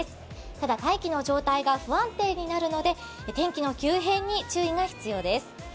ただ、大気の状態が不安定になるので天気の急変に注意が必要です。